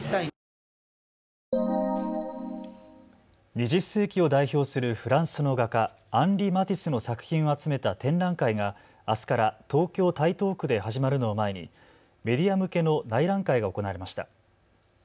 ２０世紀を代表するフランスの画家、アンリ・マティスの作品を集めた展覧会があすから東京台東区で始まるのを前にメディア向けの内覧会が行われました。